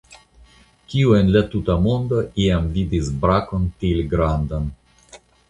Kiu en la tuta mondo iam vidis brakon tiel grandan?